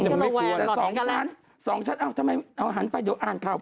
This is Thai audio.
แต่สองชั้นสองชั้นอ้าวทำไมเอาหันไปเดี๋ยวอ่านว่า